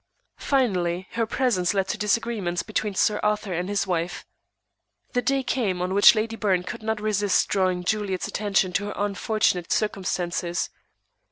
Finally, her presence led to disagreements between Sir Arthur and his wife. The day came on which Lady Byrne could not resist drawing Juliet's attention to her unfortunate circumstances.